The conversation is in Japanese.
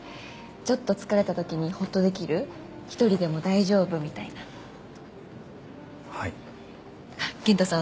ちょっと疲れたときにホッとできる１人でも大丈夫みたいなはいケンタさん